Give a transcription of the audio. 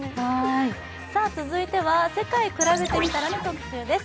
続いては「世界くらべてみたら」の特集です。